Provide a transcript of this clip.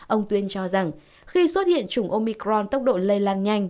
ông tuyên cho rằng khi xuất hiện chủng omicron tốc độ lây lan nhanh